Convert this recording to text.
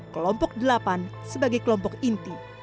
kelompok delapan sebagai kelompok inti